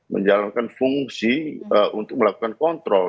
menjalankan fungsi untuk melakukan kontrol